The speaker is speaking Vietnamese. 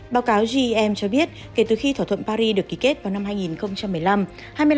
báo cáo gem cho biết kể từ khi thỏa thuận paris được ký kết vào năm hai nghìn một mươi năm